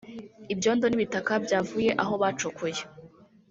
ibyondo n’ibitaka byavuye aho bacukuye